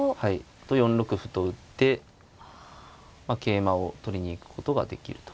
４六歩と打ってまあ桂馬を取りに行くことができると。